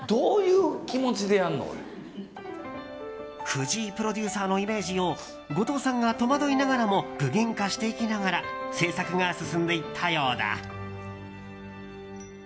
藤井プロデューサーのイメージを後藤さんが戸惑いながらも具現化していきながら制作が進んでいったようだ。